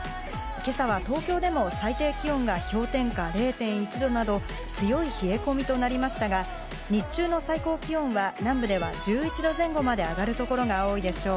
今朝は東京でも最低気温が氷点下０．１度など、強い冷え込みとなりましたが、日中の最高気温は南部では１１度前後まで上がる所が多いでしょう。